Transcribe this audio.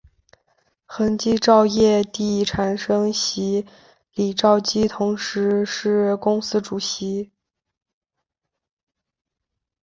恒基兆业地产主席李兆基同时是公司主席。